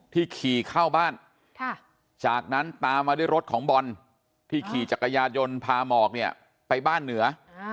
ขี่เข้าบ้านจากนั้นตามมาด้วยรถของบอลที่ขี่จักรยานยนต์พาหมอกเนี่ยไปบ้านเหนือ